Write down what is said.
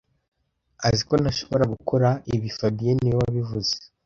Aziko ntashobora gukora ibi fabien niwe wabivuze